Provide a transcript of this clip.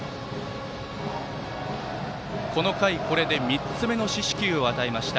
この回、これで３つ目の四死球を与えました